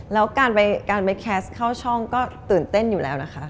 แล้วการไปแคสต์เข้าช่องก็ตื่นเต้นอยู่แล้วนะคะ